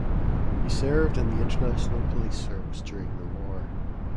He served in the International Police Service during the war.